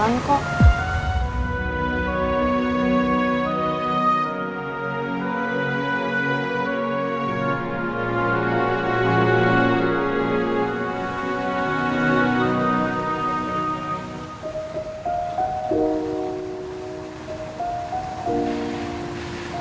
gue mau ngelakuin